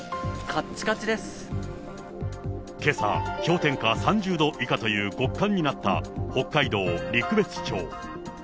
けさ、氷点下３０度以下という極寒になった北海道陸別町。